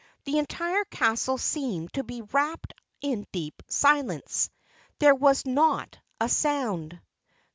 The entire castle seemed to be wrapped in deep silence. There was not a sound.